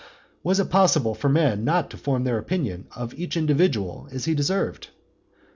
Was it possible for men not to form their opinion of each individual as he deserved?